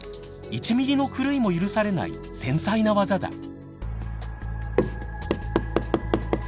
１ミリの狂いも許されない繊細な技だ。